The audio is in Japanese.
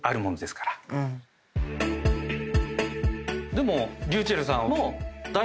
でもｒｙｕｃｈｅｌｌさんも。